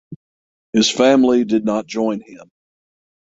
His family did not join him.